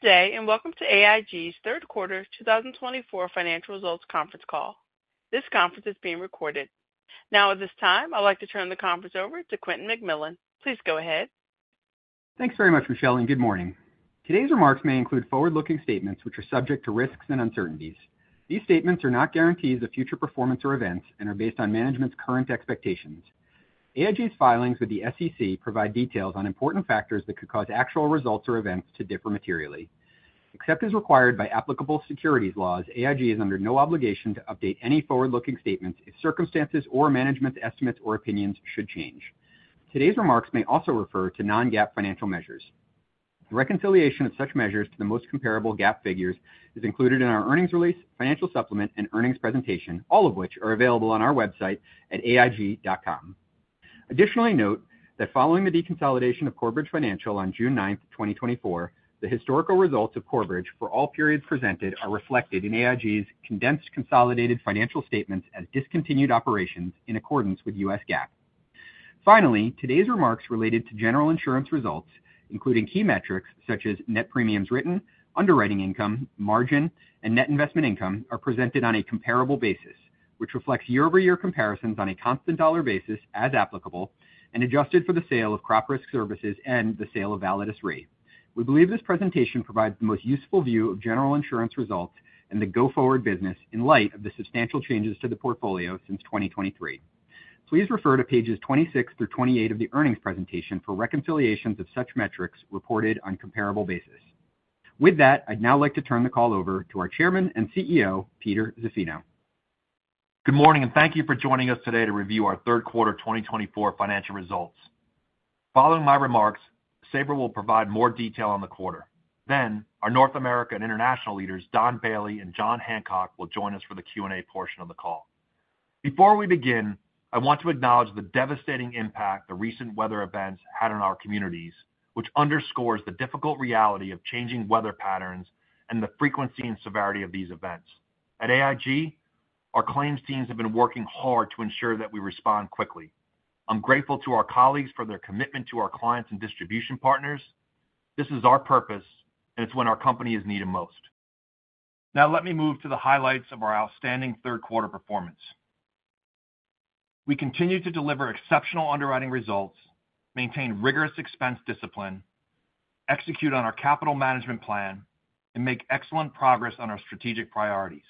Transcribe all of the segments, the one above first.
Good day, and welcome to AIG's Third Quarter 2024 Financial Results Conference Call. This conference is being recorded. Now, at this time, I'd like to turn the conference over to Quentin McMillan. Please go ahead. Thanks very much, Michelle, and good morning. Today's remarks may include forward-looking statements, which are subject to risks and uncertainties. These statements are not guarantees of future performance or events and are based on management's current expectations. AIG's filings with the SEC provide details on important factors that could cause actual results or events to differ materially. Except as required by applicable securities laws, AIG is under no obligation to update any forward-looking statements if circumstances or management's estimates or opinions should change. Today's remarks may also refer to non-GAAP financial measures. The reconciliation of such measures to the most comparable GAAP figures is included in our earnings release, financial supplement, and earnings presentation, all of which are available on our website at aig.com. Additionally, note that following the deconsolidation of Corebridge Financial on June 9, 2024, the historical results of Corebridge for all periods presented are reflected in AIG's condensed consolidated financial statements as discontinued operations in accordance with U.S. GAAP. Finally, today's remarks related to General Insurance results, including key metrics such as net premiums written, underwriting income, margin, and net investment income, are presented on a comparable basis, which reflects year-over-year comparisons on a constant dollar basis, as applicable, and adjusted for the sale of Crop Risk Services and the sale of Validus Re. We believe this presentation provides the most useful view of General Insurance results and the go-forward business in light of the substantial changes to the portfolio since 2023. Please refer to pages 26 through 28 of the earnings presentation for reconciliations of such metrics reported on a comparable basis. With that, I'd now like to turn the call over to our Chairman and CEO, Peter Zaffino. Good morning, and thank you for joining us today to review our third quarter 2024 financial results. Following my remarks, Sabra will provide more detail on the quarter. Then, our North America and International leaders, Don Bailey and Jon Hancock, will join us for the Q&A portion of the call. Before we begin, I want to acknowledge the devastating impact the recent weather events had on our communities, which underscores the difficult reality of changing weather patterns and the frequency and severity of these events. At AIG, our claims teams have been working hard to ensure that we respond quickly. I'm grateful to our colleagues for their commitment to our clients and distribution partners. This is our purpose, and it's when our company is needed most. Now, let me move to the highlights of our outstanding third quarter performance. We continue to deliver exceptional underwriting results, maintain rigorous expense discipline, execute on our capital management plan, and make excellent progress on our strategic priorities.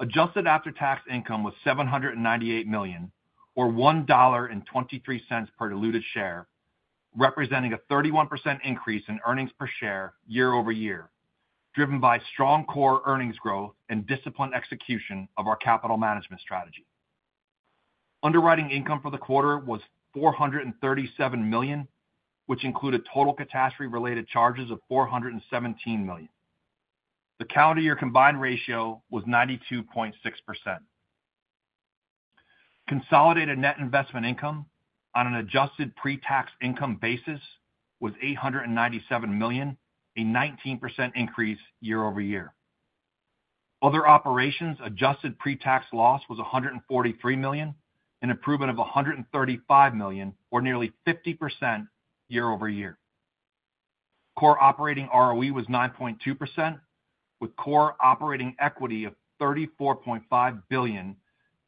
Adjusted after-tax income was $798 million, or $1.23 per diluted share, representing a 31% increase in earnings per share year-over-year, driven by strong core earnings growth and disciplined execution of our capital management strategy. Underwriting income for the quarter was $437 million, which included total catastrophe-related charges of $417 million. The calendar-year combined ratio was 92.6%. Consolidated net investment income on an adjusted pre-tax income basis was $897 million, a 19% increase year-over-year. Other Operations adjusted pre-tax loss was $143 million, an improvement of $135 million, or nearly 50% year-over-year. Core operating ROE was 9.2%, with core operating equity of $34.5 billion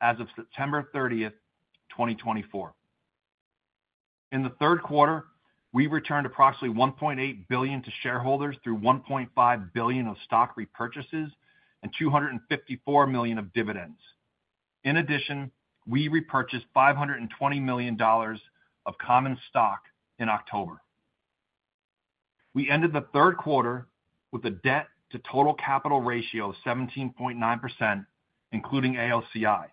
as of September 30th, 2024. In the third quarter, we returned approximately $1.8 billion to shareholders through $1.5 billion of stock repurchases and $254 million of dividends. In addition, we repurchased $520 million of common stock in October. We ended the third quarter with a debt-to-total capital ratio of 17.9%, including AOCI,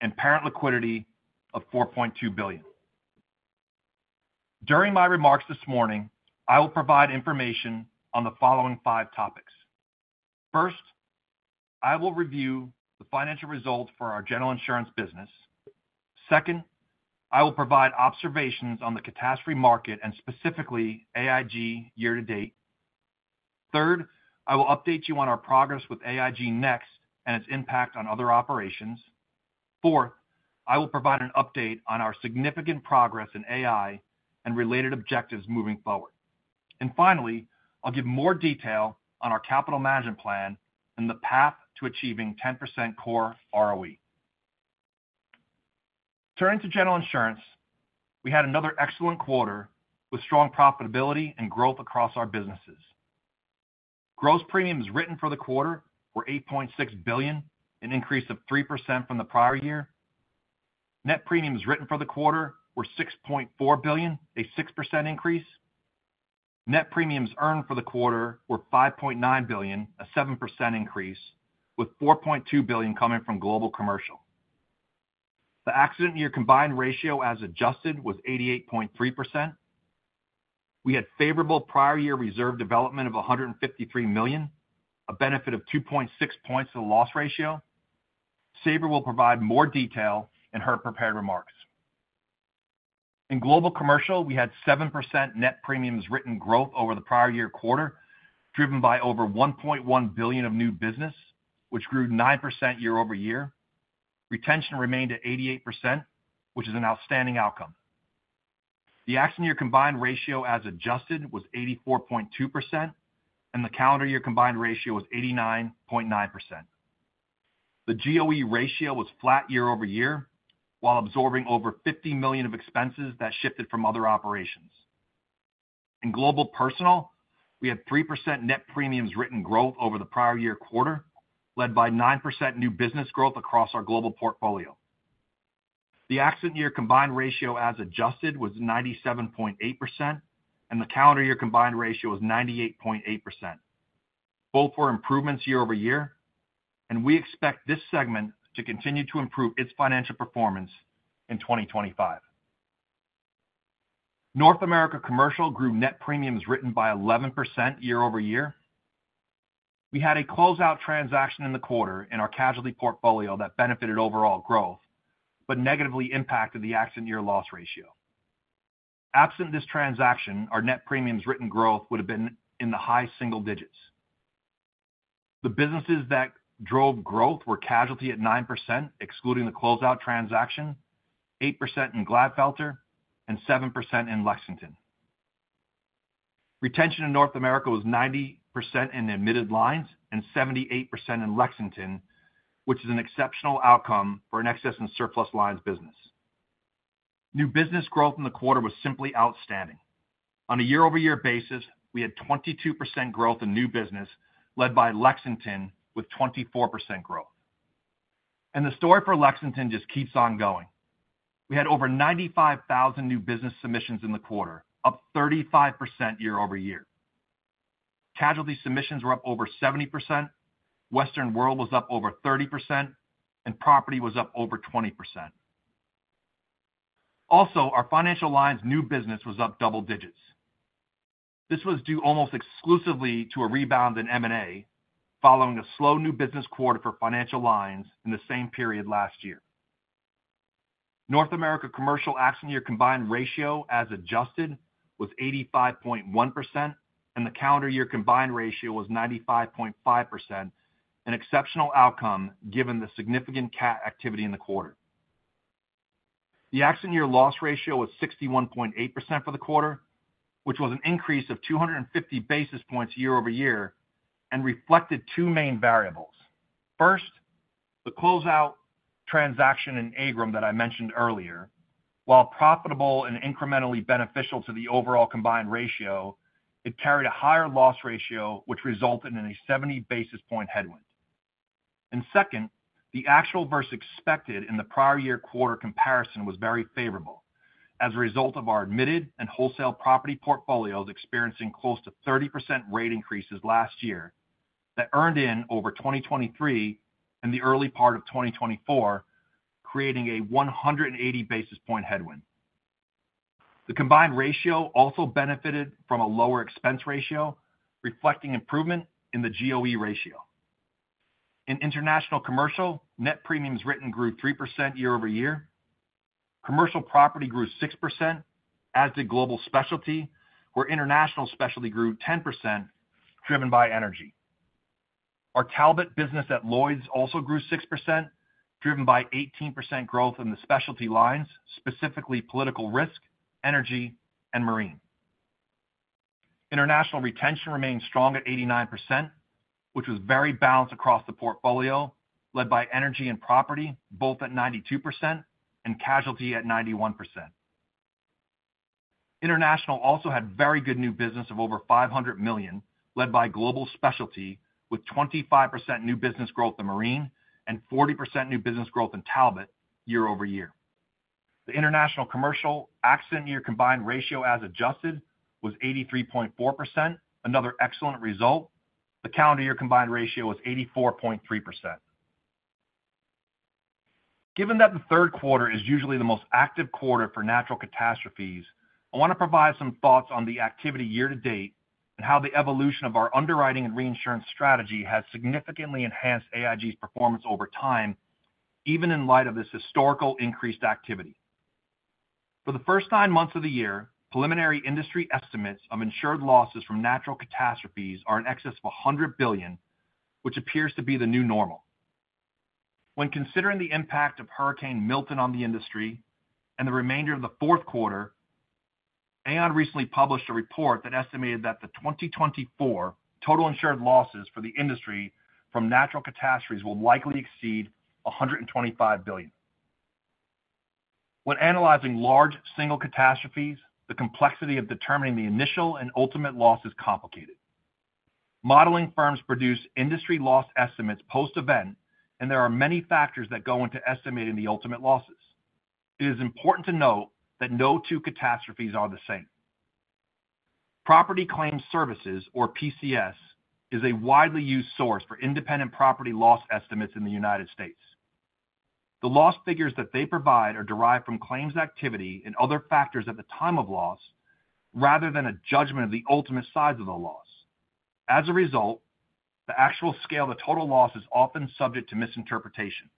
and parent liquidity of $4.2 billion. During my remarks this morning, I will provide information on the following five topics. First, I will review the financial results for our General Insurance business. Second, I will provide observations on the catastrophe market and specifically AIG year-to-date. Third, I will update you on our progress with AIG Next and its impact on Other Operations. Fourth, I will provide an update on our significant progress in AI and related objectives moving forward. And finally, I'll give more detail on our capital management plan and the path to achieving 10% core ROE. Turning to General Insurance, we had another excellent quarter with strong profitability and growth across our businesses. Gross premiums written for the quarter were $8.6 billion, an increase of 3% from the prior year. Net premiums written for the quarter were $6.4 billion, a 6% increase. Net premiums earned for the quarter were $5.9 billion, a 7% increase, with $4.2 billion coming from Global Commercial. The accident-year combined ratio as adjusted was 88.3%. We had favorable prior-year reserve development of $153 million, a benefit of 2.6 points to the loss ratio. Sabra will provide more detail in her prepared remarks. In Global Commercial, we had 7% net premiums written growth over the prior-year quarter, driven by over $1.1 billion of new business, which grew 9% year-over-year. Retention remained at 88%, which is an outstanding outcome. The accident-year combined ratio as adjusted was 84.2%, and the calendar-year combined ratio was 89.9%. The GOE ratio was flat year-over-year, while absorbing over $50 million of expenses that shifted from Other Operations. In Global Personal, we had 3% net premiums written growth over the prior-year quarter, led by 9% new business growth across our global portfolio. The accident-year combined ratio as adjusted was 97.8%, and the calendar-year combined ratio was 98.8%. Both were improvements year-over-year, and we expect this segment to continue to improve its financial performance in 2025. North America Commercial grew net premiums written by 11% year-over-year. We had a closeout transaction in the quarter in our casualty portfolio that benefited overall growth, but negatively impacted the accident-year loss ratio. Absent this transaction, our net premiums written growth would have been in the high single digits. The businesses that drove growth were casualty at 9%, excluding the closeout transaction, 8% in Glatfelter, and 7% in Lexington. Retention in North America was 90% in admitted lines and 78% in Lexington, which is an exceptional outcome for an excess and surplus lines business. New business growth in the quarter was simply outstanding. On a year-over-year basis, we had 22% growth in new business, led by Lexington, with 24% growth. And the story for Lexington just keeps on going. We had over 95,000 new business submissions in the quarter, up 35% year-over-year. Casualty submissions were up over 70%. Western World was up over 30%, and Property was up over 20%. Also, our Financial Lines new business was up double digits. This was due almost exclusively to a rebound in M&A following a slow new business quarter for Financial Lines in the same period last year. North America Commercial accident-year combined ratio as adjusted was 85.1%, and the calendar-year combined ratio was 95.5%, an exceptional outcome given the significant CAT activity in the quarter. The accident-year loss ratio was 61.8% for the quarter, which was an increase of 250 basis points year-over-year and reflected two main variables. First, the closeout transaction in Agrum that I mentioned earlier, while profitable and incrementally beneficial to the overall combined ratio, it carried a higher loss ratio, which resulted in a 70 basis point headwind. and second, the actual versus expected in the prior-year quarter comparison was very favorable, as a result of our admitted and wholesale property portfolios experiencing close to 30% rate increases last year that earned in over 2023 and the early part of 2024, creating a 180 basis point headwind. The combined ratio also benefited from a lower expense ratio, reflecting improvement in the GOE ratio. In International Commercial, net premiums written grew 3% year-over-year. Commercial Property grew 6%, as did Global Specialty, where International Specialty grew 10%, driven by Energy. Our Talbot business at Lloyd's also grew 6%, driven by 18% growth in the Specialty Lines, specifically Political Risk, Energy, and Marine. International retention remained strong at 89%, which was very balanced across the portfolio, led by Energy and Property, both at 92%, and Casualty at 91%. International also had very good new business of over $500 million, led by Global Specialty, with 25% new business growth in Marine and 40% new business growth in Talbot year-over-year. The International Commercial accident-year combined ratio as adjusted was 83.4%, another excellent result. The calendar-year combined ratio was 84.3%. Given that the third quarter is usually the most active quarter for natural catastrophes, I want to provide some thoughts on the activity year-to-date and how the evolution of our underwriting and reinsurance strategy has significantly enhanced AIG's performance over time, even in light of this historical increased activity. For the first nine months of the year, preliminary industry estimates of insured losses from natural catastrophes are in excess of $100 billion, which appears to be the new normal. When considering the impact of Hurricane Milton on the industry and the remainder of the fourth quarter, Aon recently published a report that estimated that the 2024 total insured losses for the industry from natural catastrophes will likely exceed $125 billion. When analyzing large single catastrophes, the complexity of determining the initial and ultimate loss is complicated. Modeling firms produce industry loss estimates post-event, and there are many factors that go into estimating the ultimate losses. It is important to note that no two catastrophes are the same. Property Claim Services, or PCS, is a widely used source for independent property loss estimates in the United States. The loss figures that they provide are derived from claims activity and other factors at the time of loss, rather than a judgment of the ultimate size of the loss. As a result, the actual scale of the total loss is often subject to misinterpretation.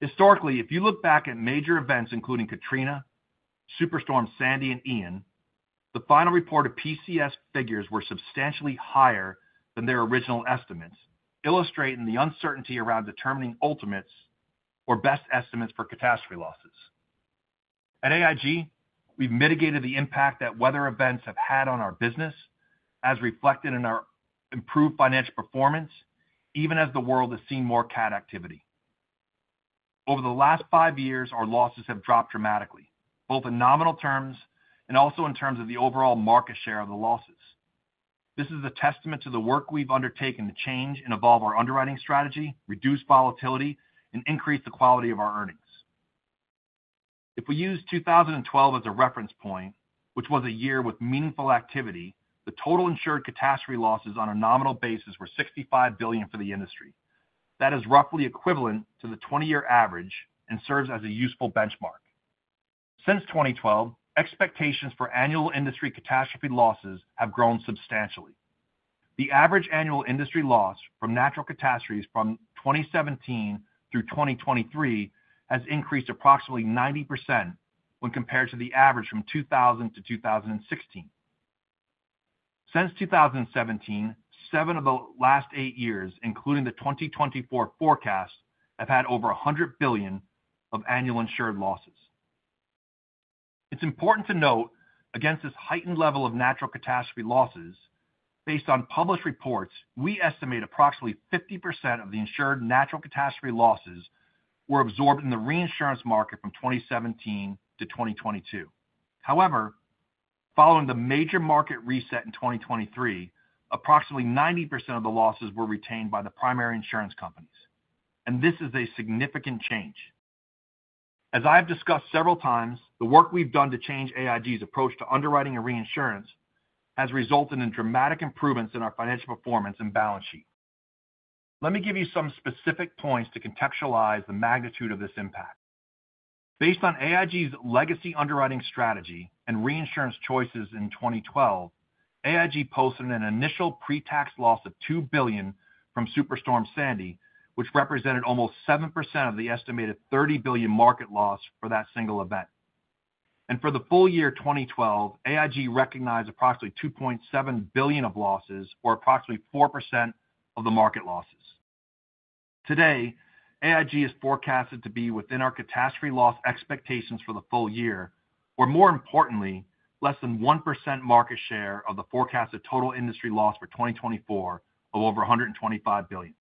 Historically, if you look back at major events, including Katrina, Superstorm Sandy and Ian, the final report of PCS figures were substantially higher than their original estimates, illustrating the uncertainty around determining ultimates or best estimates for catastrophe losses. At AIG, we've mitigated the impact that weather events have had on our business, as reflected in our improved financial performance, even as the world has seen more CAT activity. Over the last five years, our losses have dropped dramatically, both in nominal terms and also in terms of the overall market share of the losses. This is a testament to the work we've undertaken to change and evolve our underwriting strategy, reduce volatility, and increase the quality of our earnings. If we use 2012 as a reference point, which was a year with meaningful activity, the total insured catastrophe losses on a nominal basis were $65 billion for the industry. That is roughly equivalent to the 20-year average and serves as a useful benchmark. Since 2012, expectations for annual industry catastrophe losses have grown substantially. The average annual industry loss from natural catastrophes from 2017 through 2023 has increased approximately 90% when compared to the average from 2000 to 2016. Since 2017, seven of the last eight years, including the 2024 forecast, have had over $100 billion of annual insured losses. It's important to note, against this heightened level of natural catastrophe losses, based on published reports, we estimate approximately 50% of the insured natural catastrophe losses were absorbed in the reinsurance market from 2017 to 2022. However, following the major market reset in 2023, approximately 90% of the losses were retained by the primary insurance companies, and this is a significant change. As I have discussed several times, the work we've done to change AIG's approach to underwriting and reinsurance has resulted in dramatic improvements in our financial performance and balance sheet. Let me give you some specific points to contextualize the magnitude of this impact. Based on AIG's legacy underwriting strategy and reinsurance choices in 2012, AIG posted an initial pre-tax loss of $2 billion from Superstorm Sandy, which represented almost 7% of the estimated $30 billion market loss for that single event, and for the full year 2012, AIG recognized approximately $2.7 billion of losses, or approximately 4% of the market losses. Today, AIG is forecasted to be within our catastrophe loss expectations for the full year, or more importantly, less than 1% market share of the forecasted total industry loss for 2024 of over $125 billion.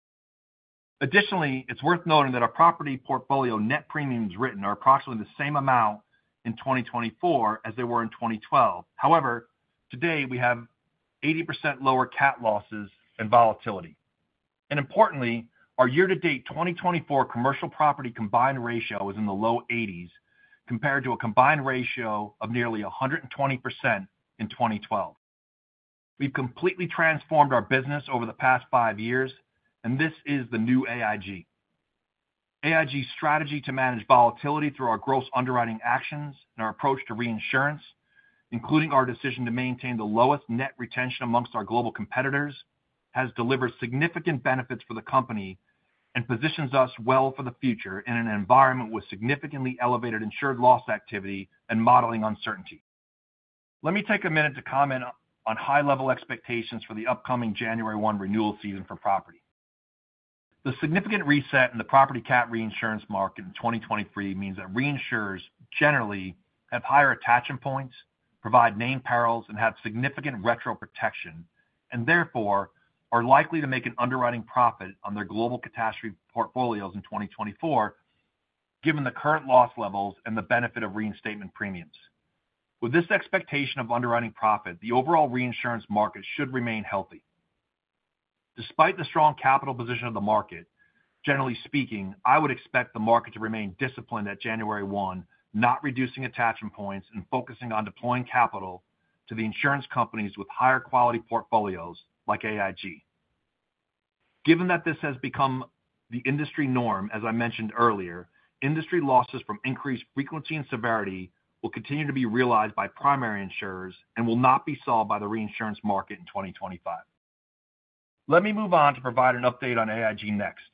Additionally, it's worth noting that our property portfolio net premiums written are approximately the same amount in 2024 as they were in 2012. However, today, we have 80% lower CAT losses and volatility. Importantly, our year-to-date 2024 Commercial Property combined ratio is in the low 80s compared to a combined ratio of nearly 120% in 2012. We've completely transformed our business over the past five years, and this is the new AIG. AIG's strategy to manage volatility through our gross underwriting actions and our approach to reinsurance, including our decision to maintain the lowest net retention amongst our global competitors, has delivered significant benefits for the company and positions us well for the future in an environment with significantly elevated insured loss activity and modeling uncertainty. Let me take a minute to comment on high-level expectations for the upcoming January 1 renewal season for property. The significant reset in the property CAT reinsurance market in 2023 means that reinsurers generally have higher attachment points, provide named perils, and have significant retro protection, and therefore are likely to make an underwriting profit on their global catastrophe portfolios in 2024, given the current loss levels and the benefit of reinstatement premiums. With this expectation of underwriting profit, the overall reinsurance market should remain healthy. Despite the strong capital position of the market, generally speaking, I would expect the market to remain disciplined at January 1, not reducing attachment points and focusing on deploying capital to the insurance companies with higher quality portfolios like AIG. Given that this has become the industry norm, as I mentioned earlier, industry losses from increased frequency and severity will continue to be realized by primary insurers and will not be solved by the reinsurance market in 2025. Let me move on to provide an update on AIG Next,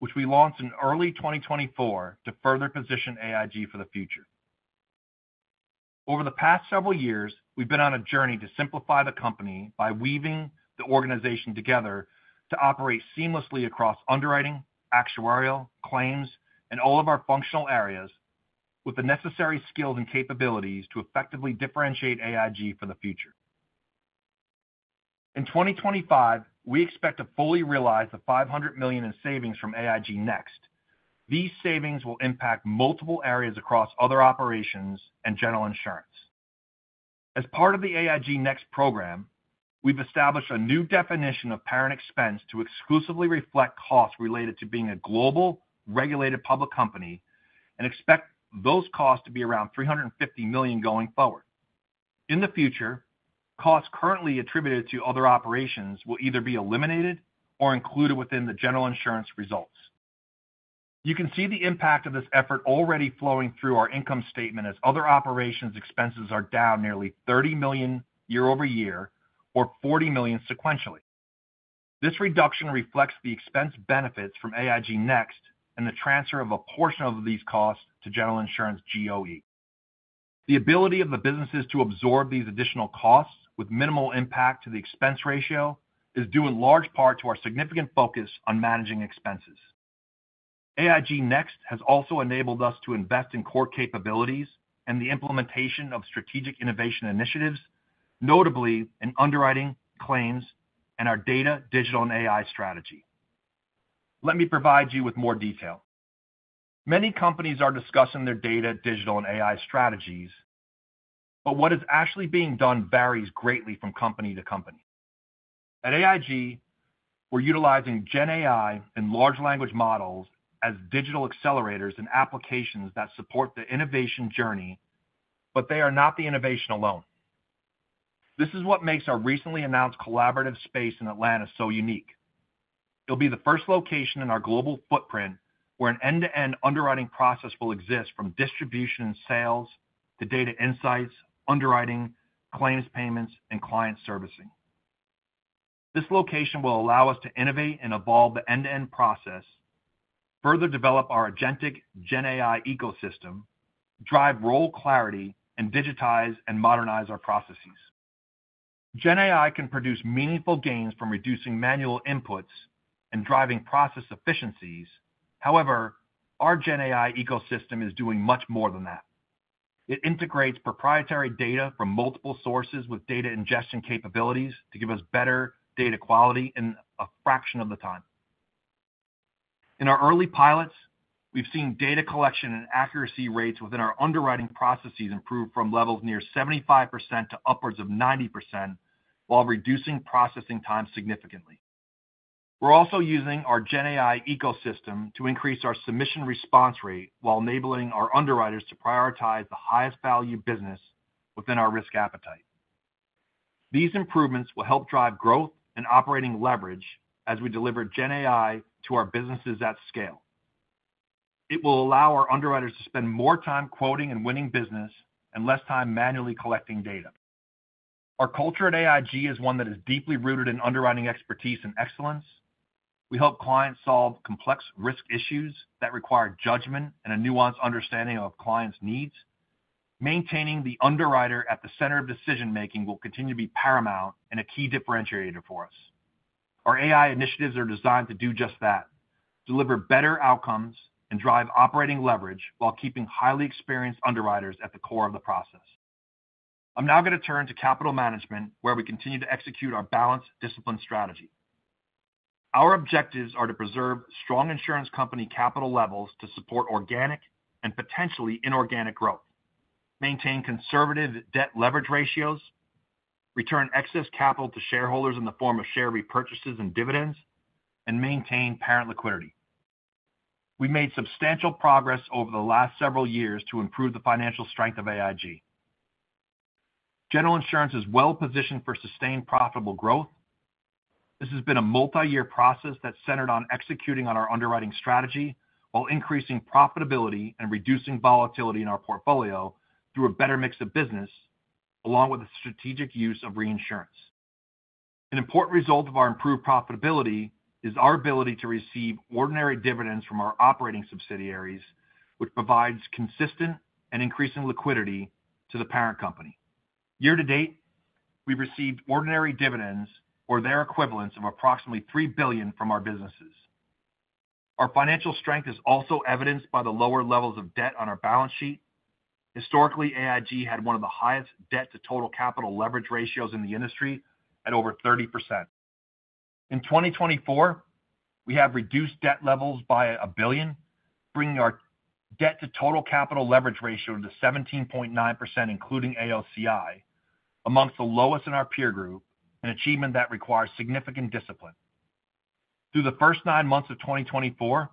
which we launched in early 2024 to further position AIG for the future. Over the past several years, we've been on a journey to simplify the company by weaving the organization together to operate seamlessly across underwriting, actuarial, claims, and all of our functional areas, with the necessary skills and capabilities to effectively differentiate AIG for the future. In 2025, we expect to fully realize the $500 million in savings from AIG Next. These savings will impact multiple areas across Other Operations and General Insurance. As part of the AIG Next program, we've established a new definition of parent expense to exclusively reflect costs related to being a global regulated public company and expect those costs to be around $350 million going forward. In the future, costs currently attributed to Other Operations will either be eliminated or included within the General Insurance results. You can see the impact of this effort already flowing through our income statement as Other Operations' expenses are down nearly $30 million year-over-year, or $40 million sequentially. This reduction reflects the expense benefits from AIG Next and the transfer of a portion of these costs to General Insurance GOE. The ability of the businesses to absorb these additional costs with minimal impact to the expense ratio is due in large part to our significant focus on managing expenses. AIG Next has also enabled us to invest in core capabilities and the implementation of strategic innovation initiatives, notably in underwriting, claims, and our data digital and AI strategy. Let me provide you with more detail. Many companies are discussing their data, digital, and AI strategies, but what is actually being done varies greatly from company to company. At AIG, we're utilizing GenAI and large language models as digital accelerators and applications that support the innovation journey, but they are not the innovation alone. This is what makes our recently announced collaborative space in Atlanta so unique. It'll be the first location in our global footprint where an end-to-end underwriting process will exist from distribution and sales to data insights, underwriting, claims payments, and client servicing. This location will allow us to innovate and evolve the end-to-end process, further develop our agentic GenAI ecosystem, drive role clarity, and digitize and modernize our processes. GenAI can produce meaningful gains from reducing manual inputs and driving process efficiencies. However, our GenAI ecosystem is doing much more than that. It integrates proprietary data from multiple sources with data ingestion capabilities to give us better data quality in a fraction of the time. In our early pilots, we've seen data collection and accuracy rates within our underwriting processes improve from levels near 75% to upwards of 90% while reducing processing time significantly. We're also using our GenAI ecosystem to increase our submission response rate while enabling our underwriters to prioritize the highest value business within our risk appetite. These improvements will help drive growth and operating leverage as we deliver GenAI to our businesses at scale. It will allow our underwriters to spend more time quoting and winning business and less time manually collecting data. Our culture at AIG is one that is deeply rooted in underwriting expertise and excellence. We help clients solve complex risk issues that require judgment and a nuanced understanding of clients' needs. Maintaining the underwriter at the center of decision-making will continue to be paramount and a key differentiator for us. Our AI initiatives are designed to do just that, deliver better outcomes and drive operating leverage while keeping highly experienced underwriters at the core of the process. I'm now going to turn to capital management, where we continue to execute our balanced discipline strategy. Our objectives are to preserve strong insurance company capital levels to support organic and potentially inorganic growth, maintain conservative debt leverage ratios, return excess capital to shareholders in the form of share repurchases and dividends, and maintain parent liquidity. We've made substantial progress over the last several years to improve the financial strength of AIG. General Insurance is well-positioned for sustained profitable growth. This has been a multi-year process that's centered on executing on our underwriting strategy while increasing profitability and reducing volatility in our portfolio through a better mix of business, along with the strategic use of reinsurance. An important result of our improved profitability is our ability to receive ordinary dividends from our operating subsidiaries, which provides consistent and increasing liquidity to the parent company. Year-to-date, we've received ordinary dividends or their equivalents of approximately $3 billion from our businesses. Our financial strength is also evidenced by the lower levels of debt on our balance sheet. Historically, AIG had one of the highest debt-to-total capital leverage ratios in the industry at over 30%. In 2024, we have reduced debt levels by $1 billion, bringing our debt-to-total capital leverage ratio to 17.9%, including AOCI, amongst the lowest in our peer group, an achievement that requires significant discipline. Through the first nine months of 2024,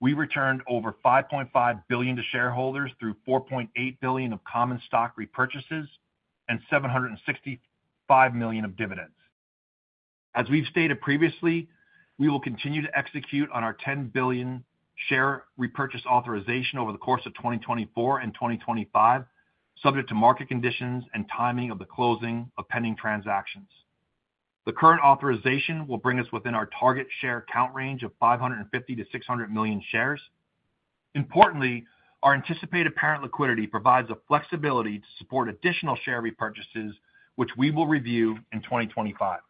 we returned over $5.5 billion to shareholders through $4.8 billion of common stock repurchases and $765 million of dividends. As we've stated previously, we will continue to execute on our $10 billion share repurchase authorization over the course of 2024 and 2025, subject to market conditions and timing of the closing of pending transactions. The current authorization will bring us within our target share count range of 550-600 million shares. Importantly, our anticipated parent liquidity provides a flexibility to support additional share repurchases, which we will review in 2025.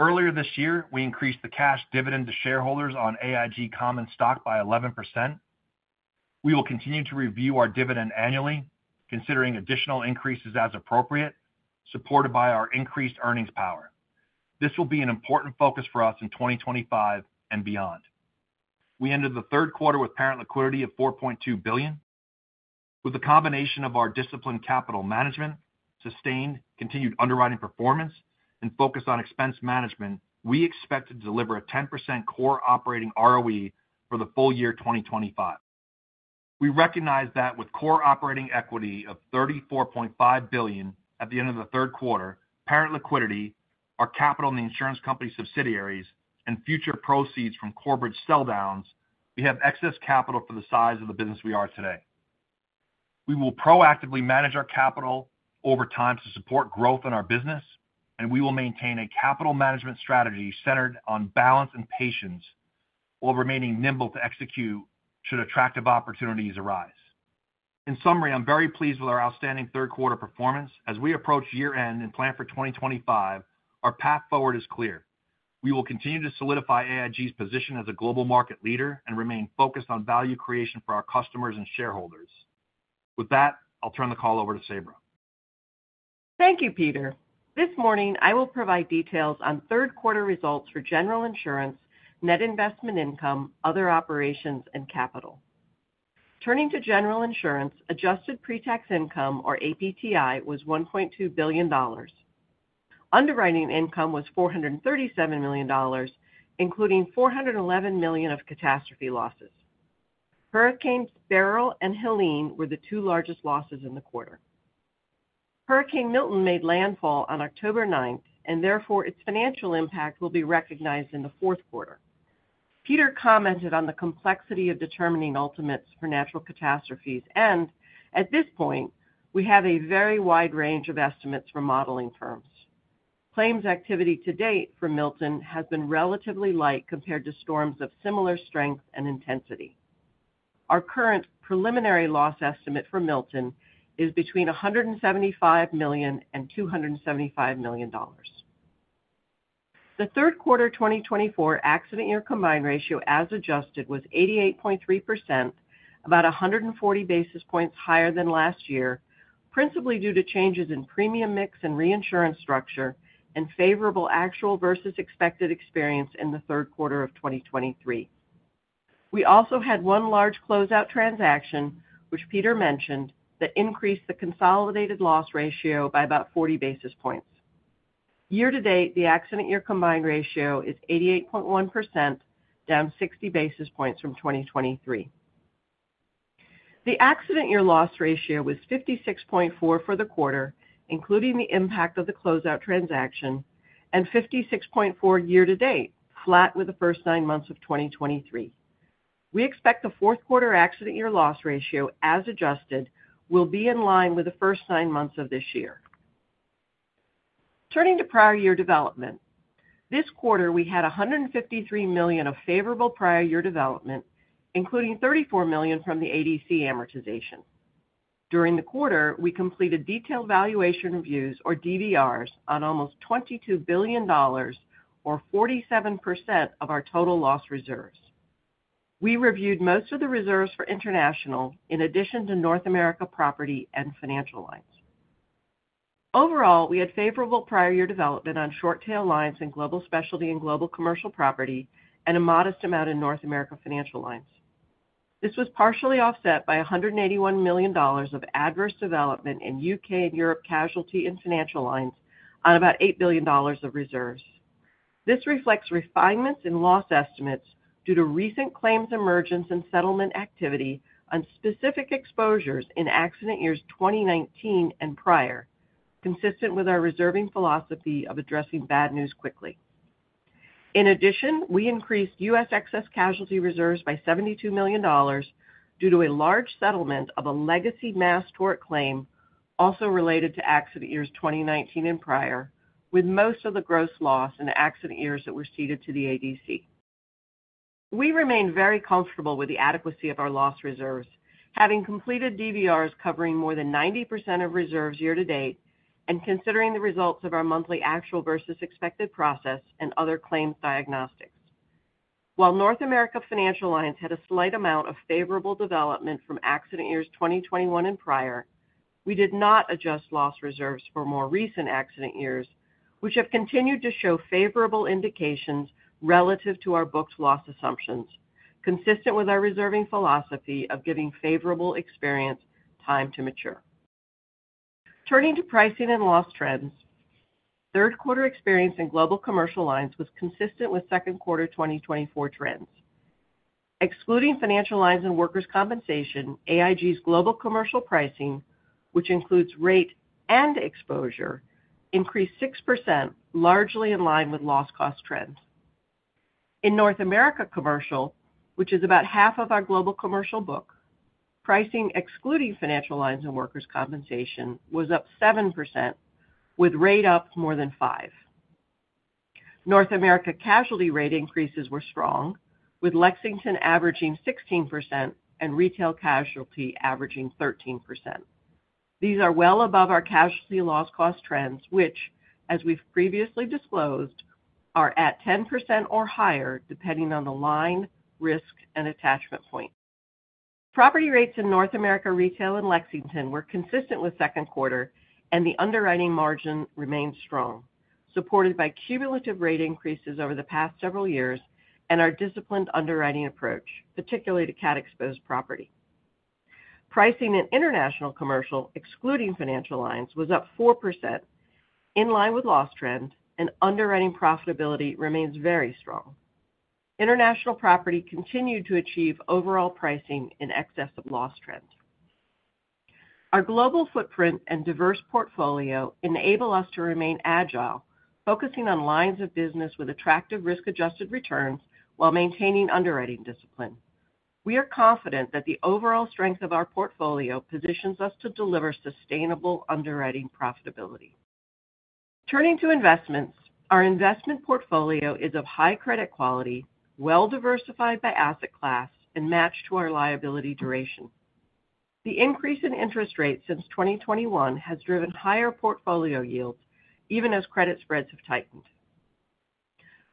Earlier this year, we increased the cash dividend to shareholders on AIG common stock by 11%. We will continue to review our dividend annually, considering additional increases as appropriate, supported by our increased earnings power. This will be an important focus for us in 2025 and beyond. We ended the third quarter with parent liquidity of $4.2 billion. With the combination of our disciplined capital management, sustained continued underwriting performance, and focus on expense management, we expect to deliver a 10% core operating ROE for the full year 2025. We recognize that with core operating equity of $34.5 billion at the end of the third quarter, parent liquidity, our capital in the insurance company subsidiaries, and future proceeds from Corebridge sell-downs, we have excess capital for the size of the business we are today. We will proactively manage our capital over time to support growth in our business, and we will maintain a capital management strategy centered on balance and patience while remaining nimble to execute should attractive opportunities arise. In summary, I'm very pleased with our outstanding third quarter performance. As we approach year-end and plan for 2025, our path forward is clear. We will continue to solidify AIG's position as a global market leader and remain focused on value creation for our customers and shareholders. With that, I'll turn the call over to Sabra. Thank you, Peter. This morning, I will provide details on third quarter results for General Insurance, net investment income, Other Operations, and capital. Turning to General Insurance, adjusted pre-tax income, or APTI, was $1.2 billion. Underwriting income was $437 million, including $411 million of catastrophe losses. Hurricanes Beryl and Helene were the two largest losses in the quarter. Hurricane Milton made landfall on October 9, and therefore its financial impact will be recognized in the fourth quarter. Peter commented on the complexity of determining ultimates for natural catastrophes, and at this point, we have a very wide range of estimates for modeling firms. Claims activity to date for Milton has been relatively light compared to storms of similar strength and intensity. Our current preliminary loss estimate for Milton is between $175 million and $275 million. The third quarter 2024 accident-year combined ratio, as adjusted, was 88.3%, about 140 basis points higher than last year, principally due to changes in premium mix and reinsurance structure and favorable actual versus expected experience in the third quarter of 2023. We also had one large closeout transaction, which Peter mentioned, that increased the consolidated loss ratio by about 40 basis points. Year-to-date, the accident-year combined ratio is 88.1%, down 60 basis points from 2023. The accident-year loss ratio was 56.4 for the quarter, including the impact of the closeout transaction, and 56.4 year-to-date, flat with the first nine months of 2023. We expect the fourth quarter accident-year loss ratio, as adjusted, will be in line with the first nine months of this year. Turning to prior year development, this quarter, we had $153 million of favorable prior year development, including $34 million from the ADC amortization. During the quarter, we completed detailed valuation reviews, or DVRs, on almost $22 billion, or 47% of our total loss reserves. We reviewed most of the reserves for international in addition to North America Property and Financial Lines. Overall, we had favorable prior year development on Short Tail Lines and Global Specialty and Global Commercial Property, and a modest amount in North America Financial Lines. This was partially offset by $181 million of adverse development in U.K. and Europe casualty and Financial Lines on about $8 billion of reserves. This reflects refinements in loss estimates due to recent claims emergence and settlement activity on specific exposures in accident years 2019 and prior, consistent with our reserving philosophy of addressing bad news quickly. In addition, we increased U.S. excess casualty reserves by $72 million due to a large settlement of a legacy mass tort claim also related to accident years 2019 and prior, with most of the gross loss in accident years that were ceded to the ADC. We remain very comfortable with the adequacy of our loss reserves, having completed DVRs covering more than 90% of reserves year-to-date and considering the results of our monthly actual versus expected process and other claims diagnostics. While North America Financial Lines had a slight amount of favorable development from accident years 2021 and prior, we did not adjust loss reserves for more recent accident years, which have continued to show favorable indications relative to our booked loss assumptions, consistent with our reserving philosophy of giving favorable experience time to mature. Turning to pricing and loss trends, third quarter experience in Global Commercial Lines was consistent with second quarter 2024 trends. Excluding Financial Lines and Workers' Compensation, AIG's global commercial pricing, which includes rate and exposure, increased 6%, largely in line with loss cost trends. In North America Commercial, which is about half of our global commercial book, pricing excluding Financial Lines and Workers' Compensation was up 7%, with rate up more than 5%. North America Casualty rate increases were strong, with Lexington averaging 16% and retail casualty averaging 13%. These are well above our casualty loss cost trends, which, as we've previously disclosed, are at 10% or higher depending on the line, risk, and attachment point. Property rates in North America Retail in Lexington were consistent with second quarter, and the underwriting margin remained strong, supported by cumulative rate increases over the past several years and our disciplined underwriting approach, particularly to cat-exposed property. Pricing in International Commercial, excluding Financial Lines, was up 4%, in line with loss trend, and underwriting profitability remains very strong. International Property continued to achieve overall pricing in excess of loss trend. Our global footprint and diverse portfolio enable us to remain agile, focusing on lines of business with attractive risk-adjusted returns while maintaining underwriting discipline. We are confident that the overall strength of our portfolio positions us to deliver sustainable underwriting profitability. Turning to investments, our investment portfolio is of high credit quality, well-diversified by asset class, and matched to our liability duration. The increase in interest rates since 2021 has driven higher portfolio yields, even as credit spreads have tightened.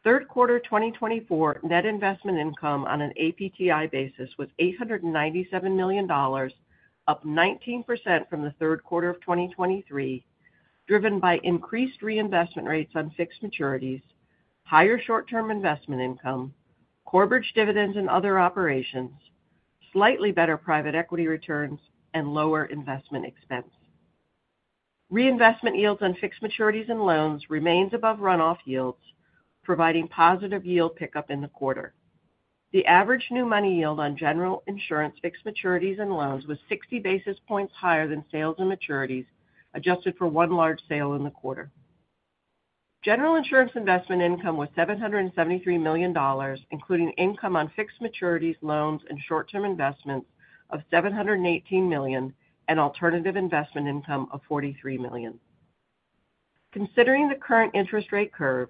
Third quarter 2024 net investment income on an APTI basis was $897 million, up 19% from the third quarter of 2023, driven by increased reinvestment rates on fixed maturities, higher short-term investment income, corporate dividends and Other Operations, slightly better private equity returns, and lower investment expense. Reinvestment yields on fixed maturities and loans remains above runoff yields, providing positive yield pickup in the quarter. The average new money yield on General Insurance fixed maturities and loans was 60 basis points higher than sales and maturities adjusted for one large sale in the quarter. General Insurance investment income was $773 million, including income on fixed maturities, loans, and short-term investments of $718 million, and alternative investment income of $43 million. Considering the current interest rate curve,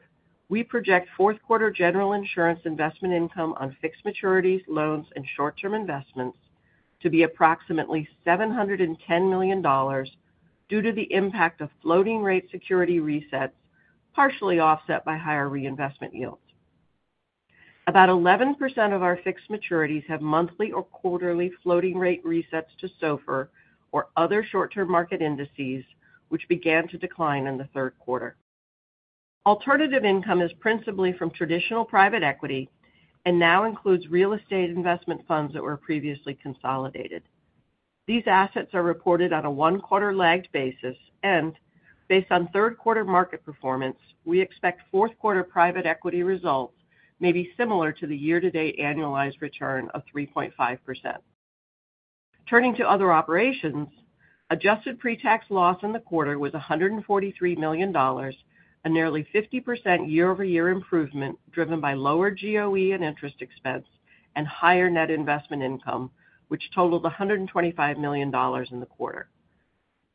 we project fourth quarter General Insurance investment income on fixed maturities, loans, and short-term investments to be approximately $710 million due to the impact of floating rate security resets, partially offset by higher reinvestment yields. About 11% of our fixed maturities have monthly or quarterly floating rate resets to SOFR or other short-term market indices, which began to decline in the third quarter. Alternative income is principally from traditional private equity and now includes real estate investment funds that were previously consolidated. These assets are reported on a one-quarter lagged basis, and based on third quarter market performance, we expect fourth quarter private equity results may be similar to the year-to-date annualized return of 3.5%. Turning to Other Operations, adjusted pre-tax loss in the quarter was $143 million, a nearly 50% year-over-year improvement driven by lower GOE and interest expense and higher net investment income, which totaled $125 million in the quarter.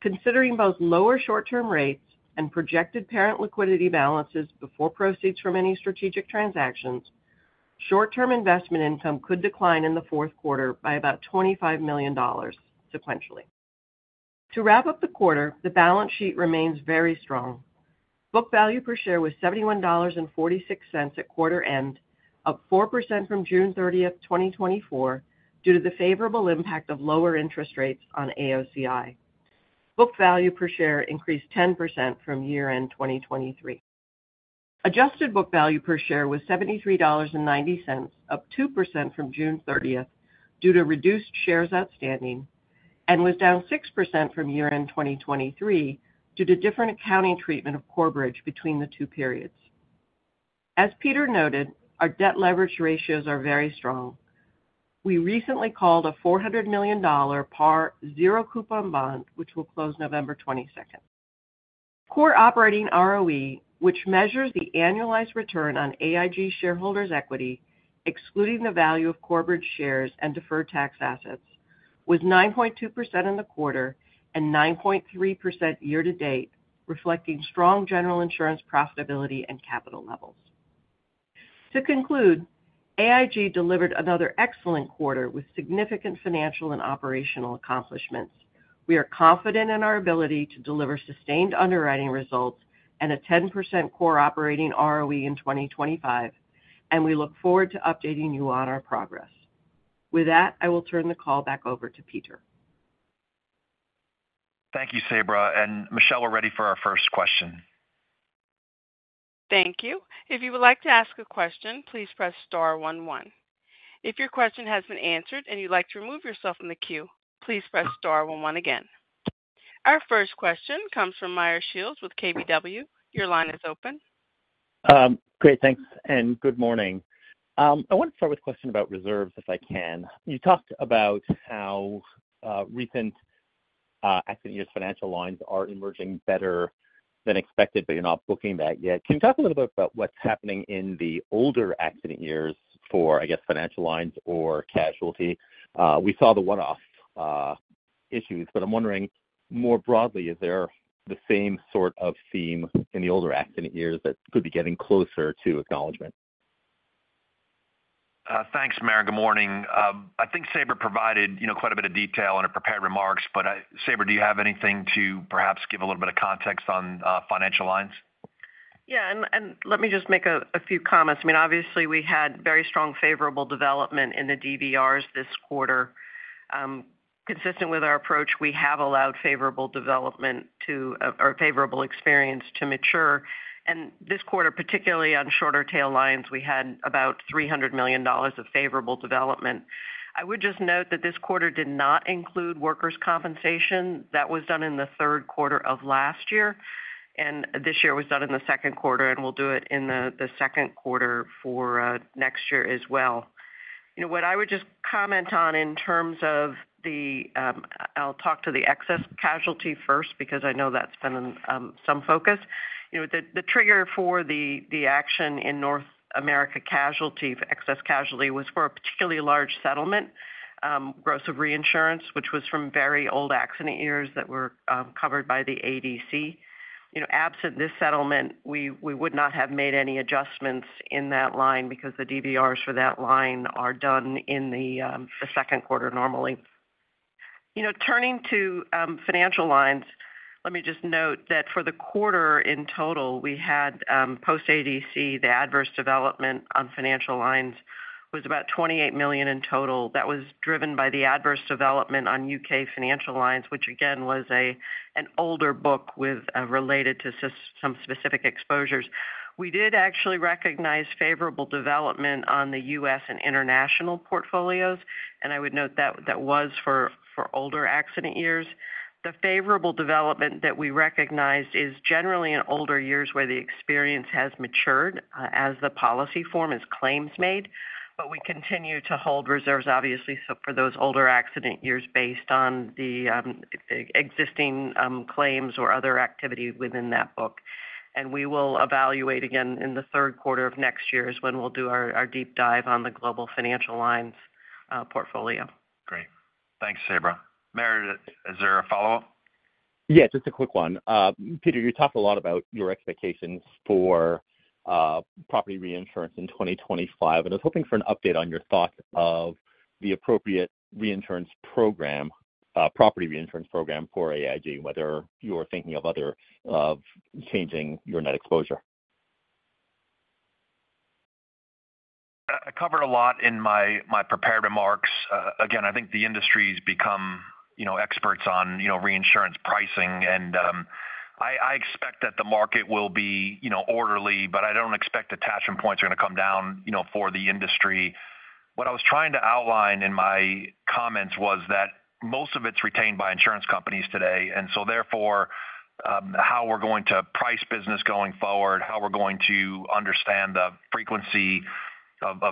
Considering both lower short-term rates and projected parent liquidity balances before proceeds from any strategic transactions, short-term investment income could decline in the fourth quarter by about $25 million sequentially. To wrap up the quarter, the balance sheet remains very strong. Book value per share was $71.46 at quarter end, up 4% from June 30, 2024, due to the favorable impact of lower interest rates on AOCI. Book value per share increased 10% from year-end 2023. Adjusted book value per share was $73.90, up 2% from June 30th due to reduced shares outstanding, and was down 6% from year-end 2023 due to different accounting treatment of corporate between the two periods. As Peter noted, our debt leverage ratios are very strong. We recently called a $400 million par zero coupon bond, which will close November 22nd. Core operating ROE, which measures the annualized return on AIG shareholders' equity, excluding the value of corporate shares and deferred tax assets, was 9.2% in the quarter and 9.3% year-to-date, reflecting strong General Insurance profitability and capital levels. To conclude, AIG delivered another excellent quarter with significant financial and operational accomplishments. We are confident in our ability to deliver sustained underwriting results and a 10% core operating ROE in 2025, and we look forward to updating you on our progress. With that, I will turn the call back over to Peter. Thank you, Sabra, and Michelle, we're ready for our first question. Thank you. If you would like to ask a question, please press star one one. If your question has been answered and you'd like to remove yourself from the queue, please press star one one again. Our first question comes from Meyer Shields with KBW. Your line is open. Great, thanks, and good morning. I want to start with a question about reserves, if I can. You talked about how recent accident years Financial Lines are emerging better than expected, but you're not booking that yet. Can you talk a little bit about what's happening in the older accident years for, I guess, Financial Lines or casualty? We saw the one-off issues, but I'm wondering more broadly, is there the same sort of theme in the older accident years that could be getting closer to acknowledgment? Thanks, Meyer. Good morning. I think Sabra provided quite a bit of detail and prepared remarks, but Sabra, do you have anything to perhaps give a little bit of context on Financial Lines? Yeah, and let me just make a few comments. I mean, obviously, we had very strong favorable development in the DVRs this quarter. Consistent with our approach, we have allowed favorable development to or favorable experience to mature, and this quarter, particularly on shorter tail lines, we had about $300 million of favorable development. I would just note that this quarter did not include Workers' Compensation. That was done in the third quarter of last year, and this year was done in the second quarter, and we'll do it in the second quarter for next year as well. What I would just comment on in terms of the, I'll talk to the excess casualty first because I know that's been some focus. The trigger for the action in North America Casualty, excess casualty, was for a particularly large settlement, gross of reinsurance, which was from very old accident years that were covered by the ADC. Absent this settlement, we would not have made any adjustments in that line because the DVRs for that line are done in the second quarter normally. Turning to Financial Lines, let me just note that for the quarter in total, we had post-ADC, the adverse development on Financial Lines was about $28 million in total. That was driven by the adverse development on U.K. Financial Lines, which again was an older book related to some specific exposures. We did actually recognize favorable development on the U.S. and international portfolios, and I would note that that was for older accident years. The favorable development that we recognized is generally in older years where the experience has matured as the policy form is claims-made, but we continue to hold reserves, obviously, for those older accident years based on the existing claims or other activity within that book. And we will evaluate again in the third quarter of next year, is when we'll do our deep dive on the global Financial Lines portfolio. Great. Thanks, Sabra. Meyer, is there a follow-up? Yeah, just a quick one. Peter, you talked a lot about your expectations for property reinsurance in 2025, and I was hoping for an update on your thoughts of the appropriate reinsurance program, property reinsurance program for AIG, whether you were thinking of changing your net exposure. I covered a lot in my prepared remarks. Again, I think the industry has become experts on reinsurance pricing, and I expect that the market will be orderly, but I don't expect attachment points are going to come down for the industry. What I was trying to outline in my comments was that most of it's retained by insurance companies today, and so therefore, how we're going to price business going forward, how we're going to understand the frequency of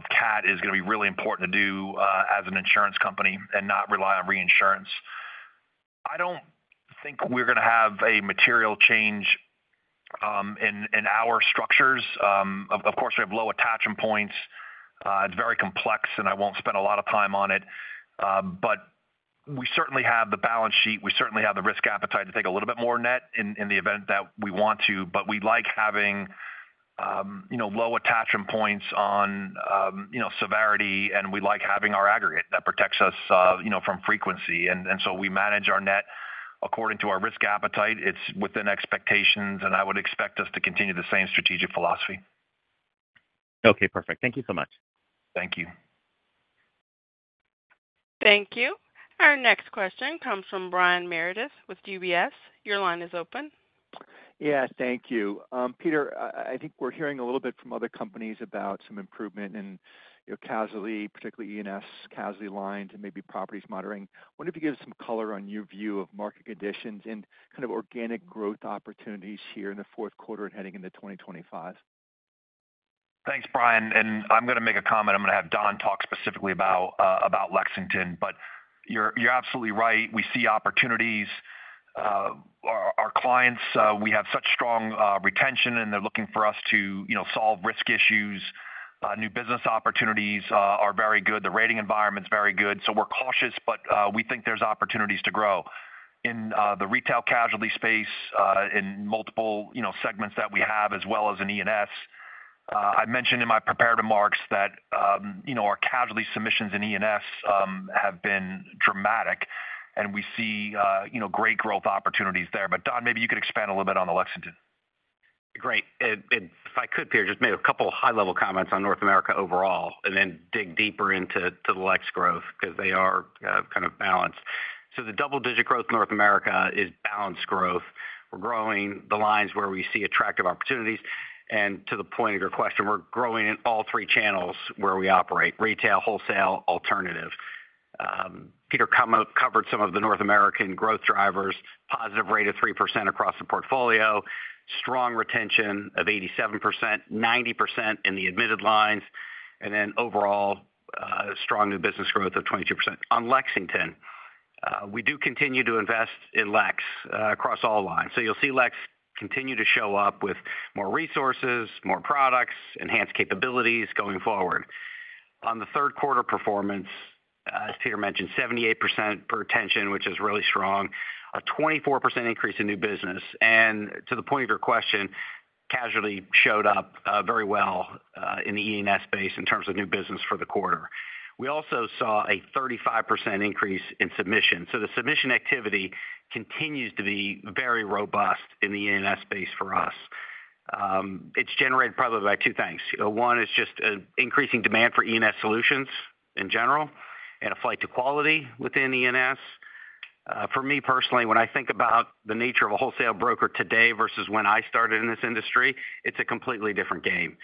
cat is going to be really important to do as an insurance company and not rely on reinsurance. I don't think we're going to have a material change in our structures. Of course, we have low attachment points. It's very complex, and I won't spend a lot of time on it, but we certainly have the balance sheet. We certainly have the risk appetite to take a little bit more net in the event that we want to, but we like having low attachment points on severity, and we like having our aggregate that protects us from frequency. And so we manage our net according to our risk appetite. It's within expectations, and I would expect us to continue the same strategic philosophy. Okay, perfect. Thank you so much. Thank you. Thank you. Our next question comes from Brian Meredith with UBS. Your line is open. Yes, thank you. Peter, I think we're hearing a little bit from other companies about some improvement in casualty, particularly E&S Casualty lines, and maybe property monitoring. I wonder if you give us some color on your view of market conditions and kind of organic growth opportunities here in the fourth quarter and heading into 2025. Thanks, Brian, and I'm going to make a comment. I'm going to have Don talk specifically about Lexington, but you're absolutely right. We see opportunities. Our clients, we have such strong retention, and they're looking for us to solve risk issues. New business opportunities are very good. The rating environment's very good, so we're cautious, but we think there's opportunities to grow in the retail casualty space in multiple segments that we have, as well as in E&S. I mentioned in my prepared remarks that our casualty submissions in E&S have been dramatic, and we see great growth opportunities there. But Don, maybe you could expand a little bit on the Lexington. Great. And if I could, Peter, just make a couple of high-level comments on North America overall and then dig deeper into the Lex growth because they are kind of balanced. So the double-digit growth in North America is balanced growth. We're growing the lines where we see attractive opportunities. And to the point of your question, we're growing in all three channels where we operate: retail, wholesale, alternative. Peter covered some of the North American growth drivers: positive rate of 3% across the portfolio, strong retention of 87%, 90% in the admitted lines, and then overall strong new business growth of 22%. On Lexington, we do continue to invest in Lex across all lines. So you'll see Lex continue to show up with more resources, more products, enhanced capabilities going forward. On the third quarter performance, as Peter mentioned, 78% retention, which is really strong, a 24% increase in new business. And to the point of your question, casualty showed up very well in the E&S space in terms of new business for the quarter. We also saw a 35% increase in submission. So the submission activity continues to be very robust in the E&S space for us. It's generated probably by two things. One is just an increasing demand for E&S solutions in general and a flight to quality within E&S. For me personally, when I think about the nature of a wholesale broker today versus when I started in this industry, it's a completely different game.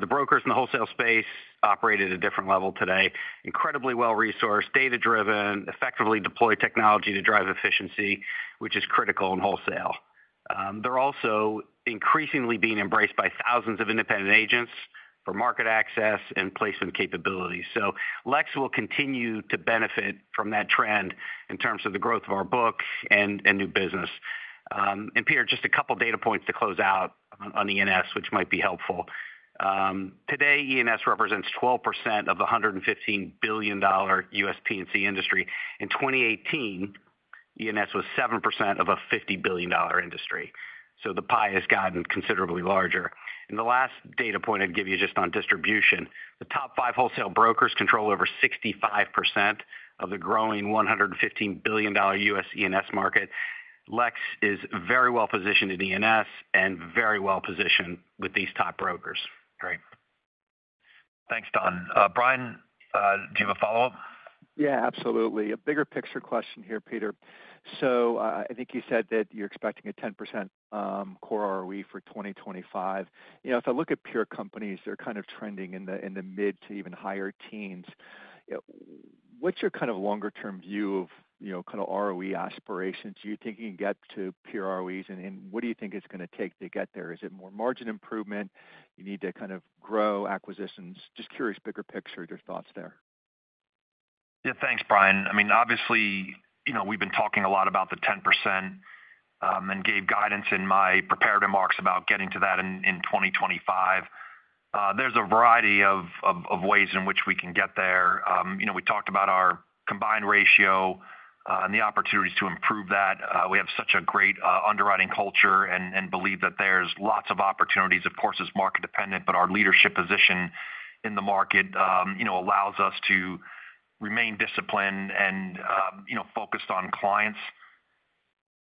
The brokers in the wholesale space operate at a different level today: incredibly well-resourced, data-driven, effectively deploy technology to drive efficiency, which is critical in wholesale. They're also increasingly being embraced by thousands of independent agents for market access and placement capabilities. So Lex will continue to benefit from that trend in terms of the growth of our book and new business. Peter, just a couple of data points to close out on E&S, which might be helpful. Today, E&S represents 12% of the $115 billion U.S. P&C industry. In 2018, E&S was 7% of a $50 billion industry. So the pie has gotten considerably larger. And the last data point I'd give you just on distribution: the top five wholesale brokers control over 65% of the growing $115 billion U.S. E&S market. Lex is very well-positioned in E&S and very well-positioned with these top brokers. Great. Thanks, Don. Brian, do you have a follow-up? Yeah, absolutely. A bigger picture question here, Peter. So I think you said that you're expecting a 10% core ROE for 2025. If I look at peer companies, they're kind of trending in the mid to even higher teens. What's your kind of longer-term view of kind of ROE aspirations? Do you think you can get to peer ROEs, and what do you think it's going to take to get there? Is it more margin improvement? You need to kind of grow acquisitions? Just curious, bigger picture, your thoughts there. Yeah, thanks, Brian. I mean, obviously, we've been talking a lot about the 10% and gave guidance in my prepared remarks about getting to that in 2025. There's a variety of ways in which we can get there. We talked about our combined ratio and the opportunities to improve that. We have such a great underwriting culture and believe that there's lots of opportunities. Of course, it's market-dependent, but our leadership position in the market allows us to remain disciplined and focused on clients.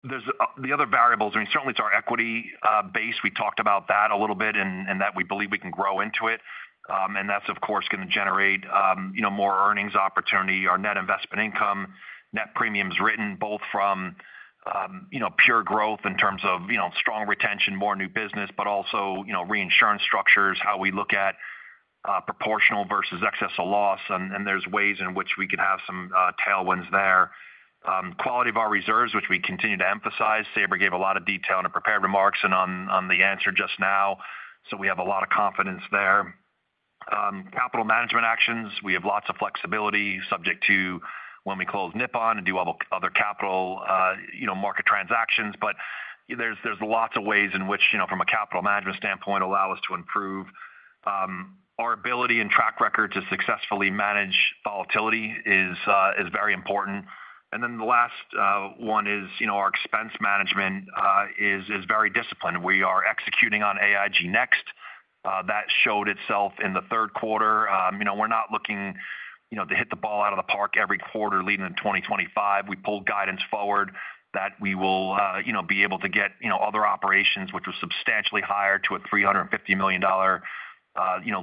The other variables, I mean, certainly it's our equity base. We talked about that a little bit and that we believe we can grow into it. That's, of course, going to generate more earnings opportunity, our net investment income, net premiums written, both from pure growth in terms of strong retention, more new business, but also reinsurance structures, how we look at proportional versus excess of loss. There's ways in which we could have some tailwinds there. Quality of our reserves, which we continue to emphasize. Sabra gave a lot of detail in her prepared remarks and on the answer just now. We have a lot of confidence there. Capital management actions, we have lots of flexibility subject to when we close Nippon and do other capital market transactions. There's lots of ways in which, from a capital management standpoint, allow us to improve. Our ability and track record to successfully manage volatility is very important. The last one is our expense management is very disciplined. We are executing on AIG Next. That showed itself in the third quarter. We're not looking to hit the ball out of the park every quarter leading into 2025. We pulled guidance forward that we will be able to get Other Operations, which were substantially higher to a $350 million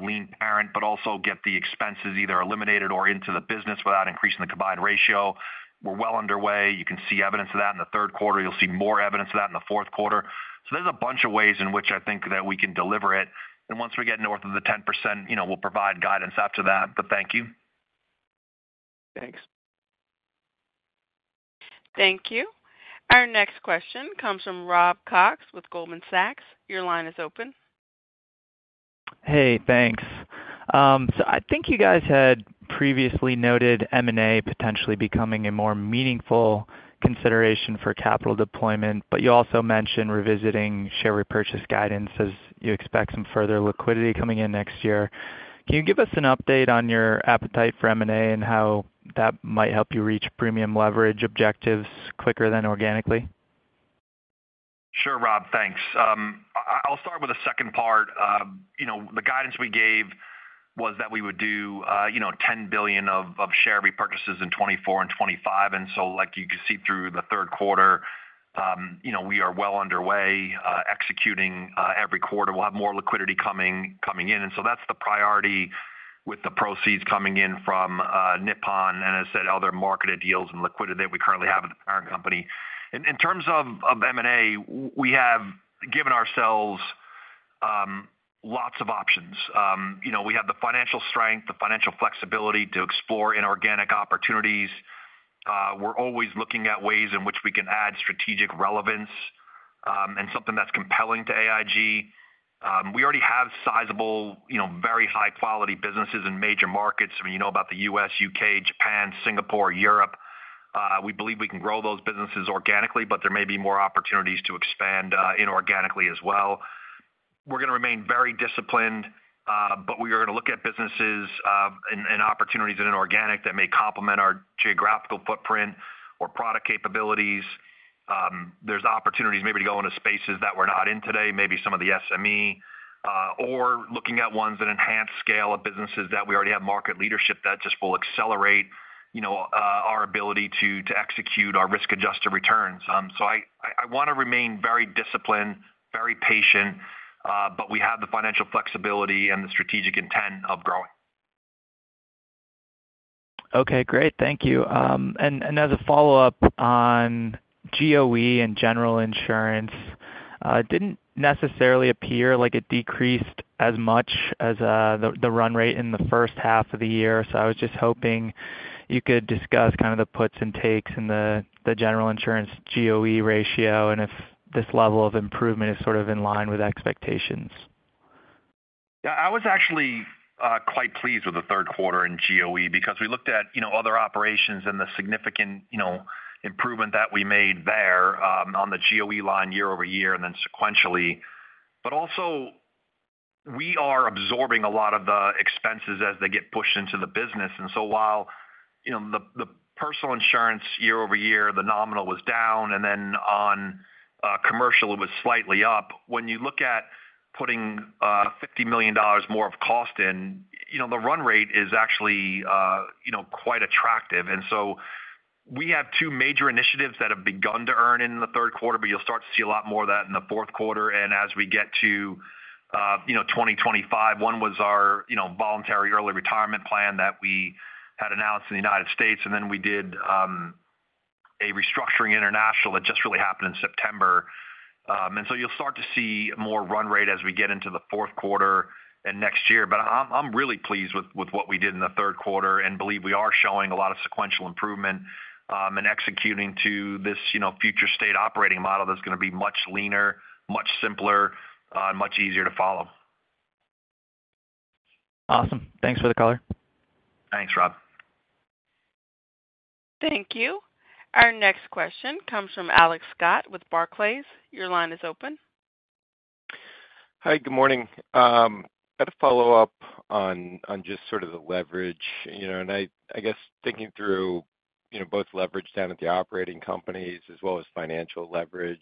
lean parent, but also get the expenses either eliminated or into the business without increasing the combined ratio. We're well underway. You can see evidence of that in the third quarter. You'll see more evidence of that in the fourth quarter. So there's a bunch of ways in which I think that we can deliver it. And once we get north of the 10%, we'll provide guidance after that. But thank you. Thanks. Thank you. Our next question comes from Rob Cox with Goldman Sachs. Your line is open. Hey, thanks. So I think you guys had previously noted M&A potentially becoming a more meaningful consideration for capital deployment, but you also mentioned revisiting share repurchase guidance as you expect some further liquidity coming in next year. Can you give us an update on your appetite for M&A and how that might help you reach premium leverage objectives quicker than organically? Sure, Rob, thanks. I'll start with the second part. The guidance we gave was that we would do $10 billion of share repurchases in 2024 and 2025. And so like you can see through the third quarter, we are well underway executing every quarter. We'll have more liquidity coming in. And so that's the priority with the proceeds coming in from Nippon, and as I said, other market deals and liquidity that we currently have at the parent company. In terms of M&A, we have given ourselves lots of options. We have the financial strength, the financial flexibility to explore inorganic opportunities. We're always looking at ways in which we can add strategic relevance and something that's compelling to AIG. We already have sizable, very high-quality businesses in major markets. I mean, you know about the U.S., U.K., Japan, Singapore, Europe. We believe we can grow those businesses organically, but there may be more opportunities to expand inorganically as well. We're going to remain very disciplined, but we are going to look at businesses and opportunities in inorganic that may complement our geographical footprint or product capabilities. There's opportunities maybe to go into spaces that we're not in today, maybe some of the SME, or looking at ones that enhance scale of businesses that we already have market leadership that just will accelerate our ability to execute our risk-adjusted returns. So I want to remain very disciplined, very patient, but we have the financial flexibility and the strategic intent of growing. Okay, great. Thank you. And as a follow-up on GOE and General Insurance, it didn't necessarily appear like it decreased as much as the run rate in the first half of the year. So I was just hoping you could discuss kind of the puts and takes and the General Insurance GOE ratio and if this level of improvement is sort of in line with expectations. Yeah, I was actually quite pleased with the third quarter in GOE because we looked at Other Operations and the significant improvement that we made there on the GOE line year-over-year and then sequentially. But also we are absorbing a lot of the expenses as they get pushed into the business. And so while the personal insurance year-over-year, the nominal was down, and then on commercial, it was slightly up. When you look at putting $50 million more of cost in, the run rate is actually quite attractive. And so we have two major initiatives that have begun to earn in the third quarter, but you'll start to see a lot more of that in the fourth quarter. And as we get to 2025, one was our Voluntary Early Retirement Plan that we had announced in the United States, and then we did a restructuring international that just really happened in September. And so you'll start to see more run rate as we get into the fourth quarter and next year. But I'm really pleased with what we did in the third quarter and believe we are showing a lot of sequential improvement and executing to this future state operating model that's going to be much leaner, much simpler, and much easier to follow. Awesome. Thanks for the color. Thanks, Rob. Thank you. Our next question comes from Alex Scott with Barclays. Your line is open. Hi, good morning. I had a follow-up on just sort of the leverage, and I guess thinking through both leverage down at the operating companies as well as financial leverage,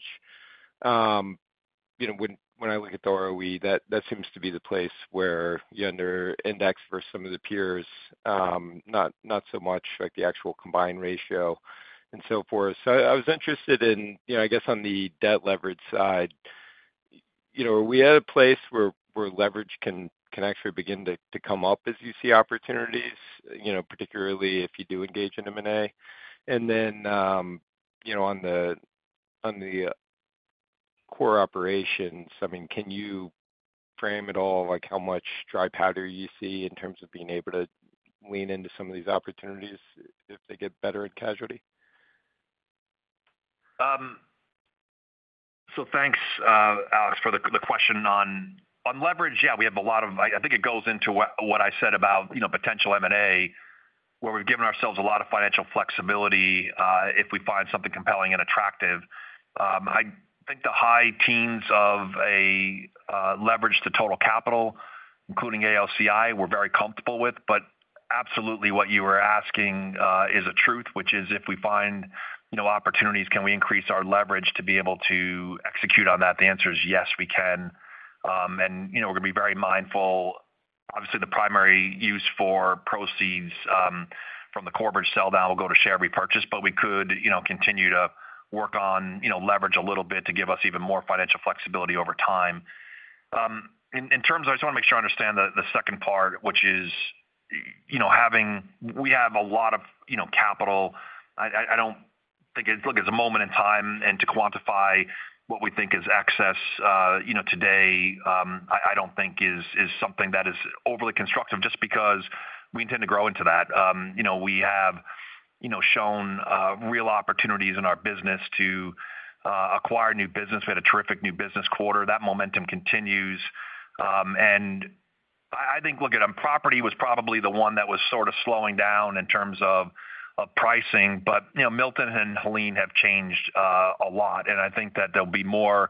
when I look at the ROE, that seems to be the place where you're under indexed versus some of the peers, not so much like the actual combined ratio and so forth. I was interested in, I guess, on the debt leverage side, are we at a place where leverage can actually begin to come up as you see opportunities, particularly if you do engage in M&A? On the core operations, I mean, can you frame at all how much dry powder you see in terms of being able to lean into some of these opportunities if they get better in casualty? Thanks, Alex, for the question on leverage. Yeah, we have a lot of. I think it goes into what I said about potential M&A, where we've given ourselves a lot of financial flexibility if we find something compelling and attractive. I think the high teens of a leverage to total capital, including AOCI, we're very comfortable with. But absolutely, what you were asking is a truth, which is if we find opportunities, can we increase our leverage to be able to execute on that? The answer is yes, we can. And we're going to be very mindful. Obviously, the primary use for proceeds from the corporate sell-down will go to share repurchase, but we could continue to work on leverage a little bit to give us even more financial flexibility over time. In terms of, I just want to make sure I understand the second part, which is, we have a lot of capital. I don't think it's a moment in time, and to quantify what we think is excess today, I don't think is something that is overly constructive just because we intend to grow into that. We have shown real opportunities in our business to acquire new business. We had a terrific new business quarter. That momentum continues, and I think, look at them, property was probably the one that was sort of slowing down in terms of pricing. But Milton and Helene have changed a lot, and I think that there'll be more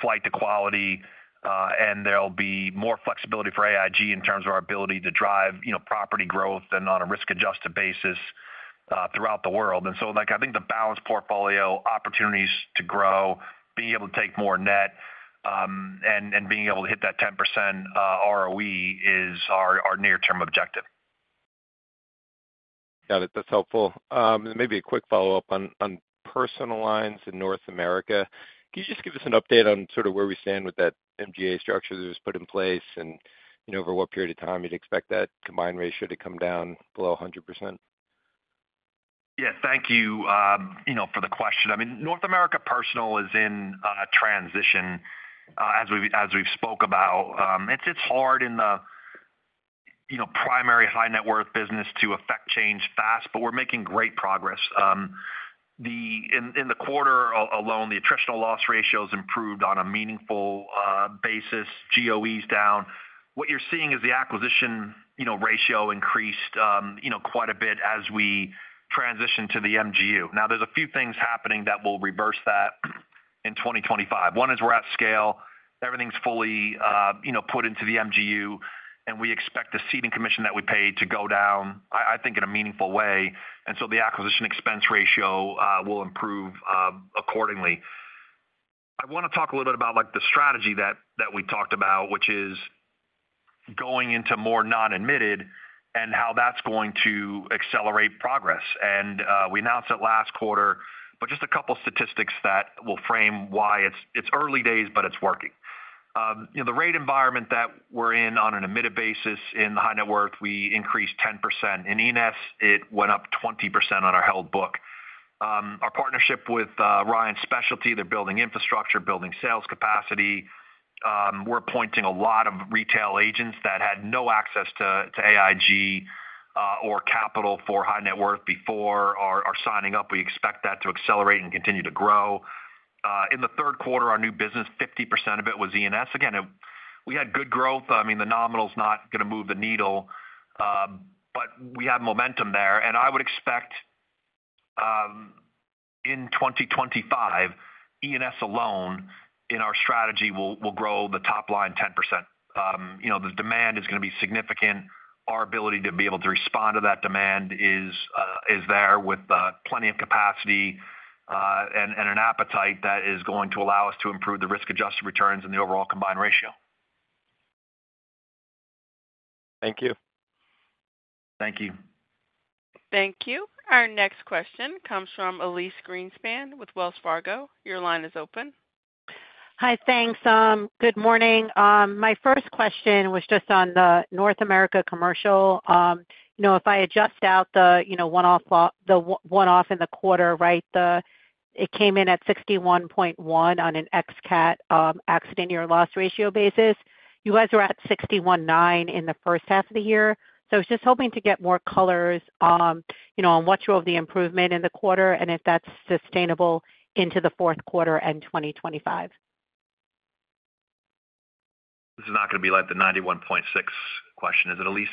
flight to quality and there'll be more flexibility for AIG in terms of our ability to drive property growth and on a risk-adjusted basis throughout the world. And so I think the balanced portfolio, opportunities to grow, being able to take more net, and being able to hit that 10% ROE is our near-term objective. Got it. That's helpful. Maybe a quick follow-up on personal lines in North America. Can you just give us an update on sort of where we stand with that MGA structure that was put in place and over what period of time you'd expect that combined ratio to come down below 100%? Yeah, thank you for the question. I mean, North America Personal is in transition as we've spoke about. It's hard in the primary high-net-worth business to affect change fast, but we're making great progress. In the quarter alone, the attritional loss ratio has improved on a meaningful basis. GOE is down. What you're seeing is the acquisition ratio increased quite a bit as we transition to the MGU. Now, there's a few things happening that will reverse that in 2025. One is we're at scale. Everything's fully put into the MGU, and we expect the ceding commission that we paid to go down, I think, in a meaningful way. And so the acquisition expense ratio will improve accordingly. I want to talk a little bit about the strategy that we talked about, which is going into more non-admitted and how that's going to accelerate progress. And we announced it last quarter, but just a couple of statistics that will frame why it's early days, but it's working. The rate environment that we're in on an admitted basis in the high net worth, we increased 10%. In E&S, it went up 20% on our held book. Our partnership with Ryan Specialty, they're building infrastructure, building sales capacity. We're appointing a lot of retail agents that had no access to AIG or capital for high net worth before our signing up. We expect that to accelerate and continue to grow. In the third quarter, our new business, 50% of it was E&S. Again, we had good growth. I mean, the nominal is not going to move the needle, but we have momentum there. And I would expect in 2025, E&S alone in our strategy will grow the top line 10%. The demand is going to be significant. Our ability to be able to respond to that demand is there with plenty of capacity and an appetite that is going to allow us to improve the risk-adjusted returns and the overall combined ratio. Thank you. Thank you. Thank you. Our next question comes from Elyse Greenspan with Wells Fargo. Your line is open. Hi, thanks. Good morning. My first question was just on the North America Commercial. If I adjust out the one-off in the quarter, right, it came in at 61.1 on an ex-cat accident year loss ratio basis. You guys were at 61.9 in the first half of the year. I was just hoping to get more color on what drove the improvement in the quarter and if that's sustainable into the fourth quarter and 2025. This is not going to be like the 91.6% question, is it, Elyse?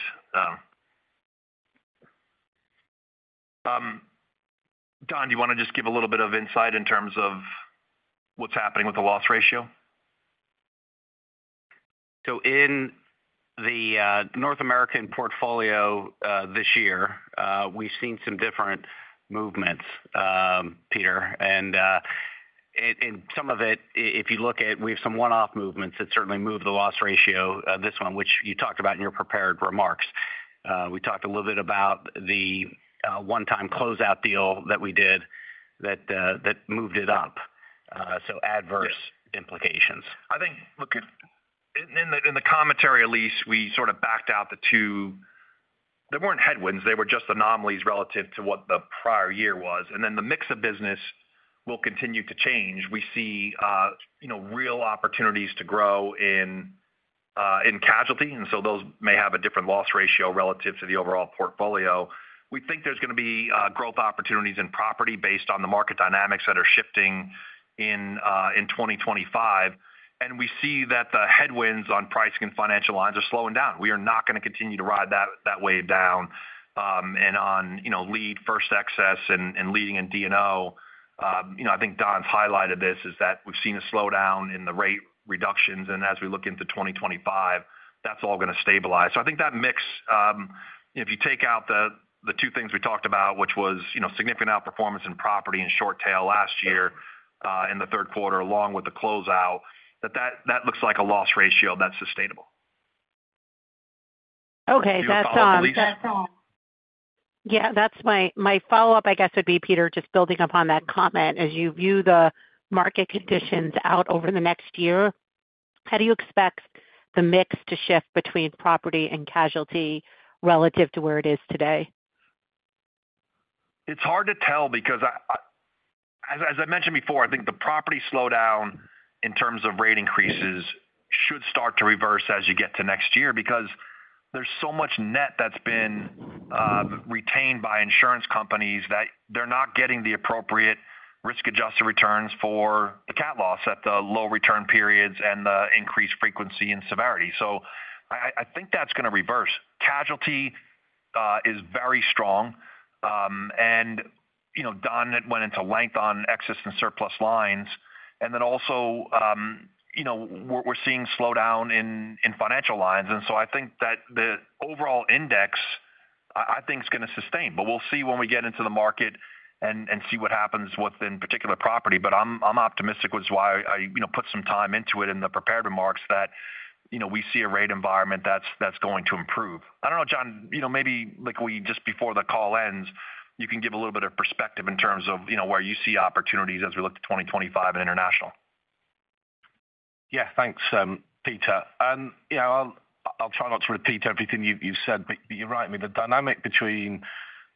Don, do you want to just give a little bit of insight in terms of what's happening with the loss ratio? In the North American portfolio this year, we've seen some different movements, Peter. Some of it, if you look at, we have some one-off movements that certainly moved the loss ratio, this one, which you talked about in your prepared remarks. We talked a little bit about the one-time closeout deal that we did that moved it up. So adverse implications. I think, look, in the commentary, Elyse, we sort of backed out the two there weren't headwinds. They were just anomalies relative to what the prior year was. And then the mix of business will continue to change. We see real opportunities to grow in casualty. And so those may have a different loss ratio relative to the overall portfolio. We think there's going to be growth opportunities in property based on the market dynamics that are shifting in 2025. And we see that the headwinds on pricing and Financial Lines are slowing down. We are not going to continue to ride that wave down. And on lead, first excess, and leading in D&O, I think Don's highlighted this is that we've seen a slowdown in the rate reductions. And as we look into 2025, that's all going to stabilize. So I think that mix, if you take out the two things we talked about, which was significant outperformance in property and short tail last year in the third quarter along with the closeout, that looks like a loss ratio that's sustainable. Okay. That's on. Yeah, that's my follow-up, I guess, would be, Peter, just building upon that comment. As you view the market conditions out over the next year, how do you expect the mix to shift between property and casualty relative to where it is today? It's hard to tell because, as I mentioned before, I think the property slowdown in terms of rate increases should start to reverse as you get to next year because there's so much net that's been retained by insurance companies that they're not getting the appropriate risk-adjusted returns for the cat loss at the low return periods and the increased frequency and severity, so I think that's going to reverse. Casualty is very strong, and Don went into length on excess and surplus lines, and then also we're seeing slowdown in Financial Lines, and so I think that the overall index, I think, is going to sustain. But we'll see when we get into the market and see what happens within particular property, but I'm optimistic, which is why I put some time into it in the prepared remarks that we see a rate environment that's going to improve. I don't know, Jon, maybe just before the call ends, you can give a little bit of perspective in terms of where you see opportunities as we look to 2025 and international. Yeah, thanks, Peter. And I'll try not to repeat everything you've said, but you're right. I mean, the dynamic between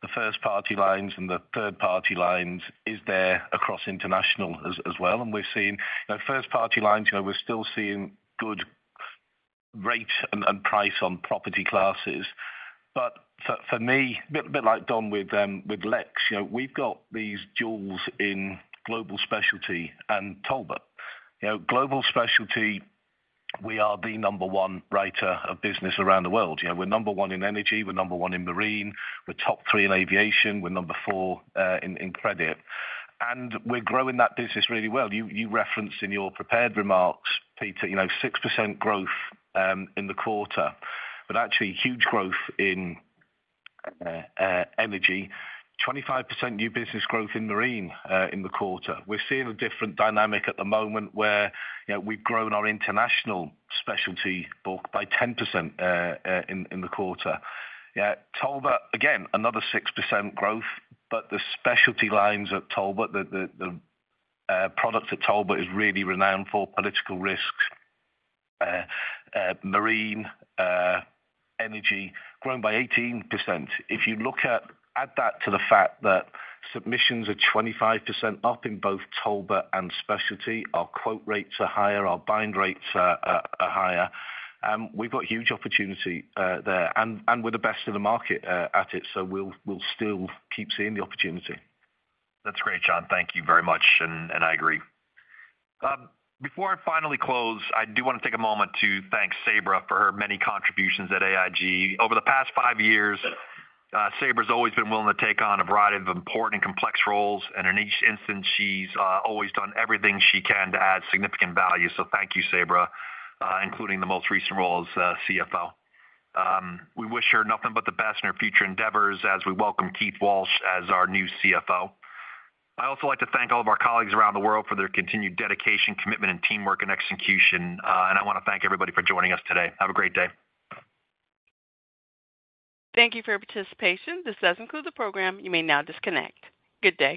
the first-party lines and the third-party lines is there across international as well. And we've seen first-party lines, we're still seeing good rates and price on property classes. But for me, a bit like Don with Lex, we've got these jewels in Global Specialty and Talbot. Global Specialty, we are the number one writer of business around the world. We're number one in energy. We're number one in marine. We're top three in aviation. We're number four in credit. And we're growing that business really well. You referenced in your prepared remarks, Peter, 6% growth in the quarter, but actually huge growth in energy, 25% new business growth in Marine in the quarter. We're seeing a different dynamic at the moment where we've grown our International Specialty book by 10% in the quarter. Talbot, again, another 6% growth, but the Specialty Lines at Talbot, the product at Talbot is really renowned for Political Risks, Marine, Energy, grown by 18%. If you add that to the fact that submissions are 25% up in both Talbot and Specialty, our quote rates are higher, our bind rates are higher. We've got huge opportunity there. And we're the best in the market at it. So we'll still keep seeing the opportunity. That's great, Jon. Thank you very much and I agree. Before I finally close, I do want to take a moment to thank Sabra for her many contributions at AIG. Over the past five years, Sabra has always been willing to take on a variety of important and complex roles. And in each instance, she's always done everything she can to add significant value. So thank you, Sabra, including the most recent role as CFO. We wish her nothing but the best in her future endeavors as we welcome Keith Walsh as our new CFO. I also like to thank all of our colleagues around the world for their continued dedication, commitment, and teamwork in execution, and I want to thank everybody for joining us today. Have a great day. Thank you for your participation. This concludes the program. You may now disconnect. Good day.